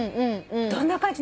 どんな感じ？